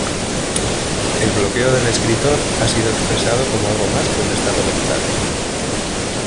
El bloqueo del escritor ha sido expresado como algo más que un estado mental.